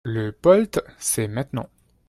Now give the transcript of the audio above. Le POLT, c’est maintenant